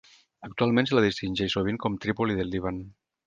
Actualment se la distingeix sovint com Trípoli del Líban.